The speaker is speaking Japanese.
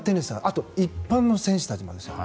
あと、一般の選手たちもです。